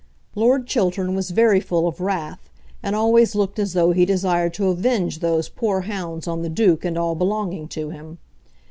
Lord Chiltern was very full of wrath, and always looked as though he desired to avenge those poor hounds on the Duke and all belonging to him.